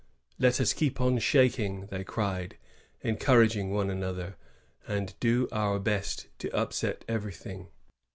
^^Let us keep on shak ing," they cried, encouraging one another, ^and do our best to upset eveiything."